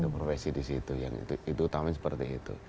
profesi di situ yang itu utamanya seperti itu